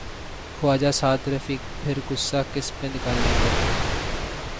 خواجہ سعدرفیق پھر غصہ کس پہ نکالیں گے؟